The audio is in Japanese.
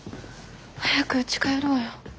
早くうち帰ろうよ。